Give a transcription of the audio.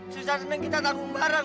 susah senang kita tanggung bareng